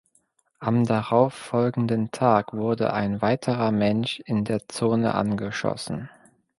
Am darauf folgenden Tag wurde ein weiterer Mensch in der Zone angeschossen.